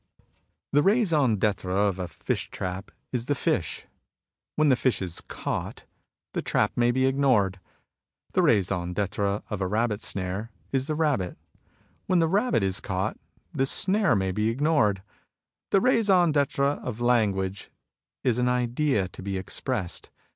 The raison d'^etre of a fish trap is the fish. When ^"> the fish is caught, the trap may be ignored. The raison d'^etre of a rabbit snare is the rabbit. When the rabbit is caught, the snare may be ignored. The raison d^etre of language is an idea to be expressed.